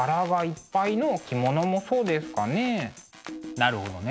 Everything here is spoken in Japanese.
なるほどね。